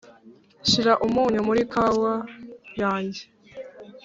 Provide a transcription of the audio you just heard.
shira umunyu muri kawa yanjy